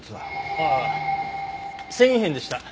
ああ繊維片でした。